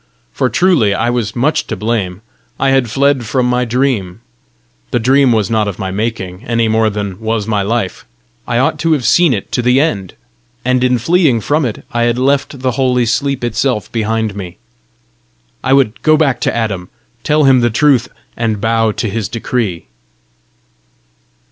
For truly I was much to blame: I had fled from my dream! The dream was not of my making, any more than was my life: I ought to have seen it to the end! and in fleeing from it, I had left the holy sleep itself behind me! I would go back to Adam, tell him the truth, and bow to his decree!